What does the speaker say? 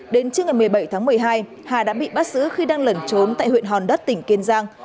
đến trưa ngày một mươi bảy tháng một mươi hai hà đã bị bắt giữ khi đang lẩn trốn tại huyện hòn đất tỉnh kiên giang